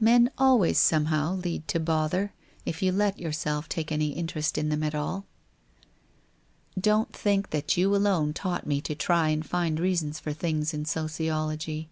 Men always somehow lead to bother, if you let yourself take any interest in them at all. Don't think that you alone taught me to try and find reasons for things in sociology.